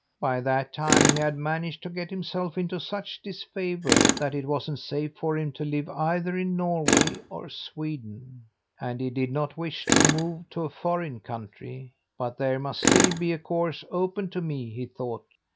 By that time he had managed to get himself into such disfavour that it wasn't safe for him to live either in Norway or Sweden, and he did not wish to move to a foreign country. 'But there must still be a course open to me,' he thought.